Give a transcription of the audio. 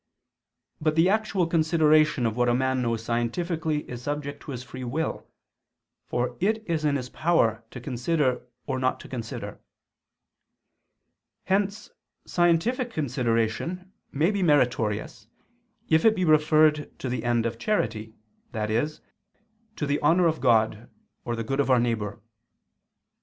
But the actual consideration of what a man knows scientifically is subject to his free will, for it is in his power to consider or not to consider. Hence scientific consideration may be meritorious if it be referred to the end of charity, i.e. to the honor of God or the good of our neighbor.